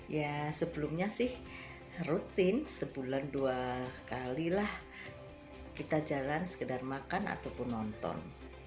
ya sebelumnya sih rutin sebulan dua kali lah kita jalan sekedar makan ataupun nonton